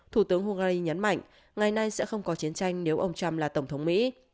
thủ tướng hungary nhấn mạnh ngày nay sẽ không có chiến tranh nếu ông trump là tổng thống mỹ